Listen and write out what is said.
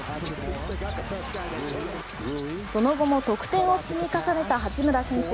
その後も得点を積み重ねた八村選手。